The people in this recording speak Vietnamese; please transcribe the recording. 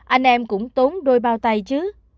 anh em cũng tốn đôi bao tay chứ